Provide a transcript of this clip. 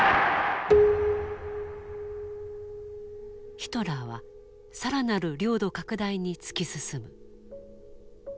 ヒトラーは更なる領土拡大に突き進む。